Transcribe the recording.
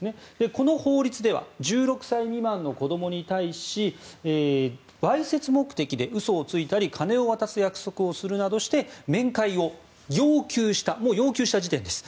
この法律では１６歳未満の子どもに対しわいせつ目的で嘘をついたり金を渡す約束をするなどして面会を要求した要求した時点です。